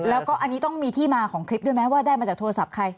แล้วก็อันนี้ต้องมีที่มาของคลิปด้วยไหมว่าได้มาจากโทรศัพท์ใคร